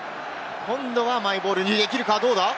今度はマイボールにできるか、どうだ？